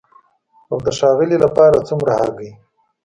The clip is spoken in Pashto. او د ښاغلي لپاره څومره هګۍ؟